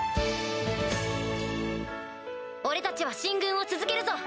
俺たちは進軍を続けるぞ！